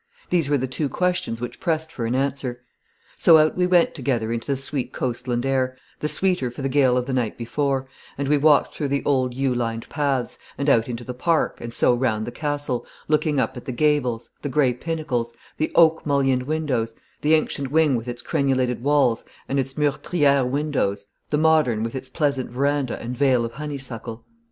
These were the two questions which pressed for an answer. So out we went together into the sweet coast land air, the sweeter for the gale of the night before, and we walked through the old yew lined paths, and out into the park, and so round the castle, looking up at the gables, the grey pinnacles, the oak mullioned windows, the ancient wing with its crenulated walls and its meurtriere windows, the modern with its pleasant verandah and veil of honeysuckle.